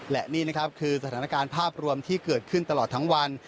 และนี่นะครับคือสถานการณ์ภาพรวมที่เกิดขึ้นตลอดทั้งวัน